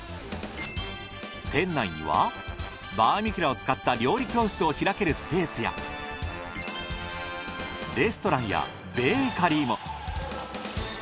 店内にはバーミキュラを使った料理教室を開けるスペースやレストランやベーカリーも。